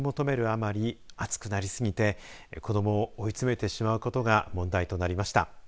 あまり熱くなりすぎて、子どもを追い詰めてしまうことが問題となりました。